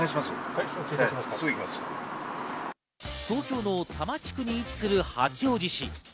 東京の多摩地区に位置する八王子市。